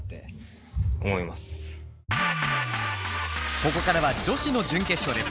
ここからは女子の準決勝です。